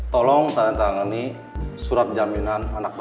tolong tahan tangani surat jaminan anak bapak boy